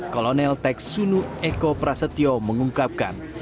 kolonel teks sunu eko prasetyo mengungkapkan